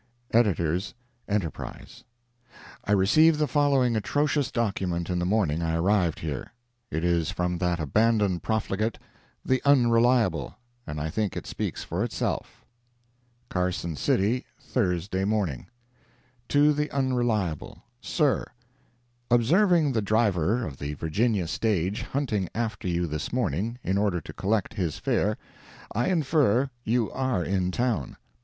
EDS. ENTERPRISE: I received the following atrocious document the morning I arrived here. It is from that abandoned profligate, the Unreliable, and I think it speaks for itself: CARSON CITY, Thursday Morning TO THE UNRELIABLE—SIR: Observing the driver of the Virginia stage hunting after you this morning, in order to collect his fare, I infer you are in town.